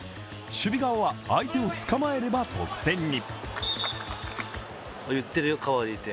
守備側は相手を捕まえれば得点に。